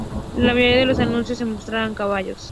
La mayoría de los anuncios no mostraban caballos.